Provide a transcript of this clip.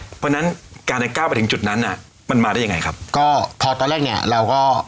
เพราะฉะนั้นการจะก้าวไปถึงจุดนั้นอ่ะมันมาได้ยังไงครับก็พอตอนแรกเนี้ยเราก็